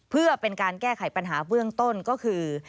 เพื่อเป็นการแก้ไขปัญหาเบื้องต้นก็คือ